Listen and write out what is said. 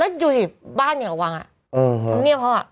แล้วอยู่ที่บ้านอย่างไงบ้างอ่ะ